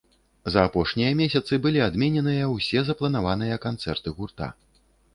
За апошнія месяцы былі адмененыя ўсе запланаваныя канцэрты гурта.